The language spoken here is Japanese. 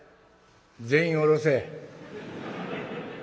全員下ろせ。